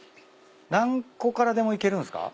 何個からでもいけるんすか？